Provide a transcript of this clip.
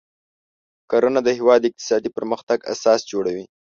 کرنه د هیواد د اقتصادي پرمختګ اساس جوړوي.